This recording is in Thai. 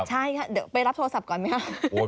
ใช่หาเดี๋ยวไปรับโทรศัพท์ก่อนมั้ยครับ